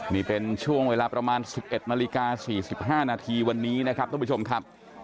นี่เป็นช่วงเวลาประมาณ๑๑นาฬิกา๔๕นาทีวันนี้นะครับท่านผู้ชมครับ